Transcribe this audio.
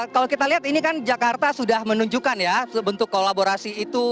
kalau kita lihat ini kan jakarta sudah menunjukkan ya bentuk kolaborasi itu